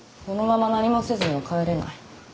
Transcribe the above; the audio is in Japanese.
このまま何もせずには帰れない。